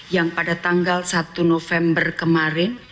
yang pada tanggal satu november kemarin